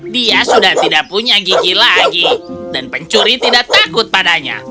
dia sudah tidak punya gigi lagi dan pencuri tidak takut padanya